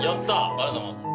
ありがとうございます。